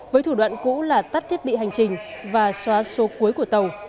với thủ đoạn cũ là tắt thiết bị hành trình và xóa số cuối của tàu